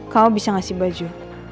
kamu bisa ngasih baju